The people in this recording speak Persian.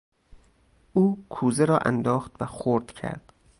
او کوزه را انداخت و خرد کرد.